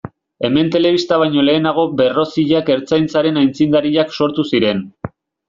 Hemen telebista baino lehenago Berroziak Ertzaintzaren aitzindariak sortu ziren.